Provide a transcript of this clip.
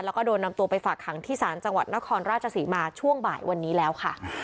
แล้วก็โดนนำตัวไปฝากขังที่ศาลจังหวัดนครราชศรีมาช่วงบ่ายวันนี้แล้วค่ะ